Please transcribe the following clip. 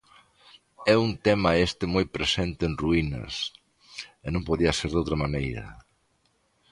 É un tema este moi presente en Ruínas, e non podía ser doutra maneira.